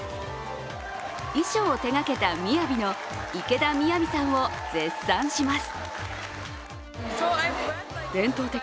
衣装を手がけたみやびの池田雅さんを絶賛します。